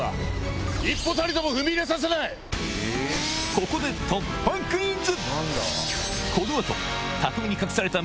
ここで突破クイズ！